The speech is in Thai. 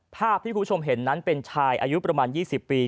ภาพที่คุณผู้ชมเห็นนั้นเป็นชายอายุประมาณ๒๐ปี